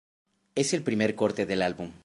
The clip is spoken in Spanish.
Es el primer corte del álbum.